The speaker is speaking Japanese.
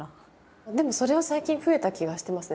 でもそれは最近増えた気はしてますね。